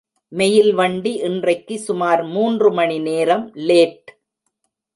Mail வண்டி இன்றைக்கு சுமார் மூன்று மணி நேரம் லேட்.